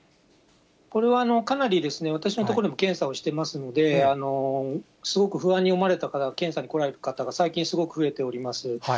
これは、かなり私の所でも検査をしてますので、すごく不安に思われた方、検査に来られる方が最近すごく増えております。